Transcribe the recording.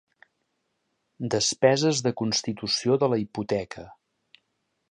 Despeses de constitució de la hipoteca.